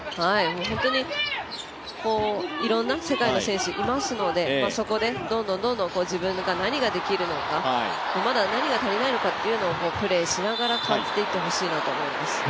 本当にいろんな世界の選手いますのでそこで、どんどん自分が何ができるのかまだ何が足りないのかというのをプレーしながら感じてほしいと思います。